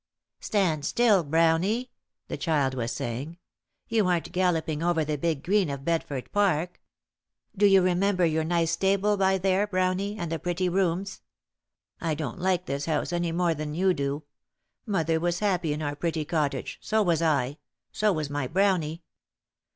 "Stand still. Brownie!" the child was saying. "You aren't galloping over the big green of Bedford park. Do you remember your nice stable by this there, Brownie, and the pretty rooms? I don't like this house any more than you do. Mother was happy in our pretty cottage, so was I, so was my Brownie."